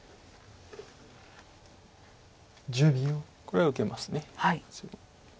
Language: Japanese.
これは受けます。